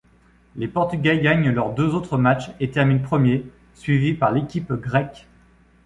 Les Portugais gagnent leurs deux autres matchs et terminent premiers, suivis par l'équipe grecque.